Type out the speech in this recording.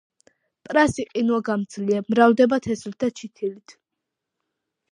პრასი ყინვაგამძლეა, მრავლდება თესლით და ჩითილით.